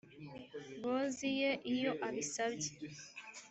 bozi ye iyo abisabye